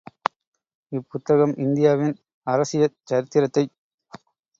இப் புத்தகம் இந்தியாவின் அரசியற் சரித்திரத்தைச்